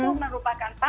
itu merupakan tak membuat